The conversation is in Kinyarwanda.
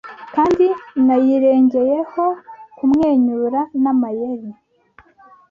Kandi nayirengeyeho kumwenyura Namayeri